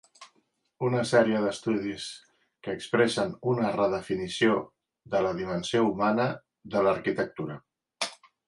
Una sèrie d'estudis que expressen una redefinició de la dimensió humana de l'arquitectura.